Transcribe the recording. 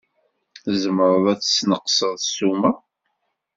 Tzemred ad d-tesneqsed ssuma?